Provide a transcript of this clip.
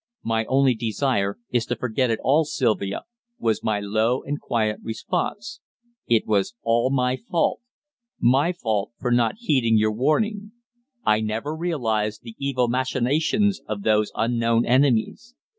"My only desire is to forget it all, Sylvia," was my low and quiet response. "It was all my fault my fault, for not heeding your warning. I never realized the evil machinations of those unknown enemies.